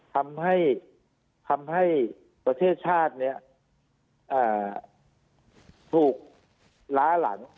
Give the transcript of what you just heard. ทำให้ประเทศชาติเนี่ยถูกล้าหลั่น